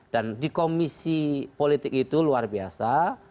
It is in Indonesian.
dan di komisi politik itu luar biasa